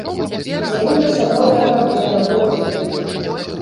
З'явіліся новыя праблемы, выклікі.